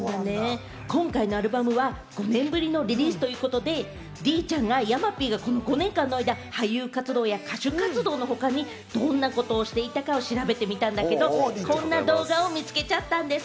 今回のアルバムは５年ぶりのリリースということで、デイちゃんが山Ｐがこの５年の間、俳優活動や歌手活動の他にどんなことをしていたか調べてみたんだけれども、こんな動画を見つけちゃったんです。